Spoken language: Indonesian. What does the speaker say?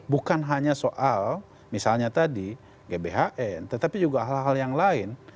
bukan hanya soal misalnya tadi gbhn tetapi juga hal hal yang lain